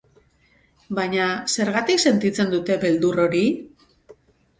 Baina zergatik sentitzen dute beldur hori?